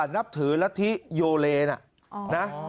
นับถือละทิโยเลน่ะ